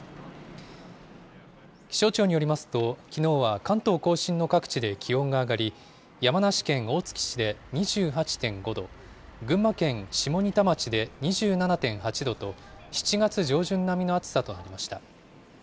気象庁によりますと、きのうは関東甲信の各地で気温が上がり、山梨県大月市で２８．５度、群馬県下仁田町で２７．８度と、７月上旬並みの暑さとなりました。